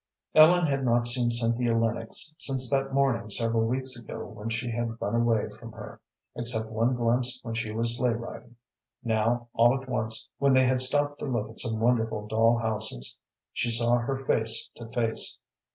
Ellen had not seen Cynthia Lennox since that morning several weeks ago when she had run away from her, except one glimpse when she was sleigh riding. Now all at once, when they had stopped to look at some wonderful doll houses, she saw her face to face.